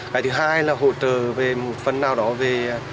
cái thứ hai là hỗ trợ về một phần nào đó về